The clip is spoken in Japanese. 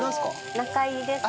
仲居です。